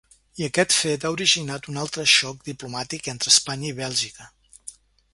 I aquest fet ha originat un altre xoc diplomàtic entre Espanya i Bèlgica.